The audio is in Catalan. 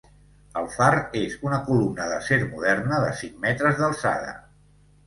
El far és una columna d'acer moderna de cinc metres d'alçada.